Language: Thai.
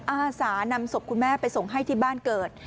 อาสานำศพคุณแม่ไปส่งให้ที่บ้านเกิด